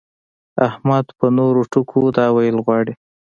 احمد په نورو ټکو دا ويل غواړي.